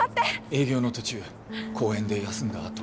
営業の途中公園で休んだあと。